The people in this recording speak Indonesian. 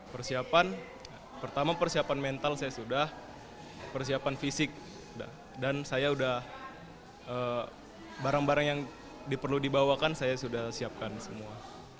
persiapan pertama persiapan mental saya sudah persiapan fisik dan saya sudah barang barang yang perlu dibawakan saya sudah siapkan semua